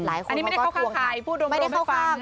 อันนี้ไม่ได้เข้าข้างใคร